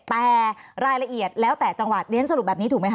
แต่รายละเอียดแล้วแต่จังหวัดเรียนสรุปแบบนี้ถูกไหมค